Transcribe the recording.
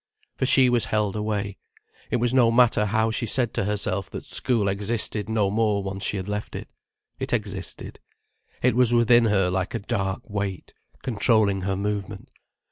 For she was held away. It was no matter how she said to herself that school existed no more once she had left it. It existed. It was within her like a dark weight, controlling her movement.